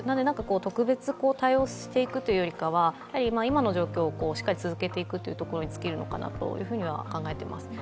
特別対応していくよりかは今の状況をしっかり続けていくというところにつきるのかなと考えています。